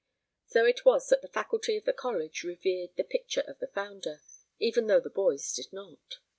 So it was that the faculty of the college revered the picture of the founder, even though the boys did not.